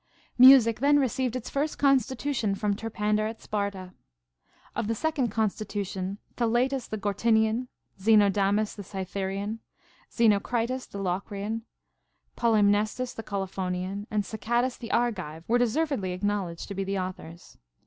9. Music then received its first constitution from Ter pander at Sparta. Of the second constitution, Thaletas the Gortinean, Xenodamus the Cytherean, Xenocritus the Lo crian, Polymnestus the Colophonian, and Sacadas the Argive were deservedly acknowledged to be the authors.